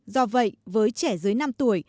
do vậy với trẻ dưới năm tuổi